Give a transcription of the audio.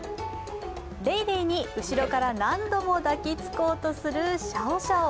レイレイに後ろから何度も抱きつこうとするシャオシャオ。